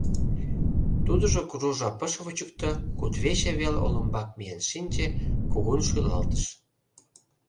Тудыжо кужу жап ыш вучыкто, кудывече вел олымбак миен шинче, кугун шӱлалтыш: